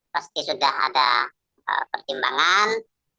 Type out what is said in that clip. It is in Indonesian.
pasti sudah ada pertimbangan